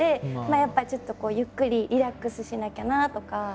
やっぱちょっとゆっくりリラックスしなきゃなとか。